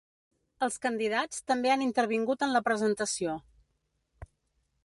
Els candidats també han intervingut en la presentació.